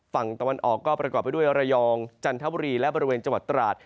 ฝั่งตะวันออกก็ประกอบไปด้วยระยองจันทบุรีและบริเวณจังหวัดตราด